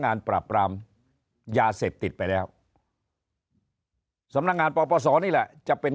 ปราบปรามยาเสพติดไปแล้วสำนักงานปปศนี่แหละจะเป็น